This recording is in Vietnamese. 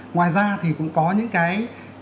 ngoài ra thì cũng có những cái